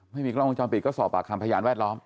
ไม่มีกล้องวงจรปิดก็สอบปากคำพยานแวดล้อม